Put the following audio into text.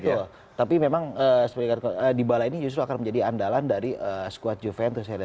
betul tapi memang dybala ini justru akan menjadi andalan dari squad juventure